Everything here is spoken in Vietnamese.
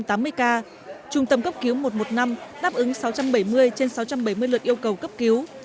trung tâm cấp cứu một trăm một mươi năm đáp ứng sáu trăm bảy mươi trên sáu trăm bảy mươi lượt yêu cầu cấp cứu